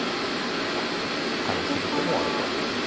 下辺切る手もあると思います。